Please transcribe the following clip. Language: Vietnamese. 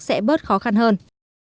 sẽ bớt khó khăn hơn